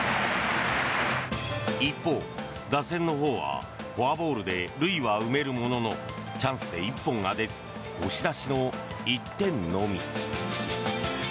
一方、打線のほうはフォアボールで塁は埋めるもののチャンスで１本が出ず押し出しの１点のみ。